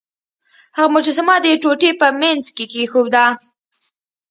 هغه مجسمه د ټوټې په مینځ کې کیښوده.